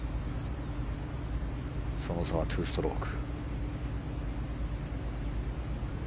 その差は２ストローク。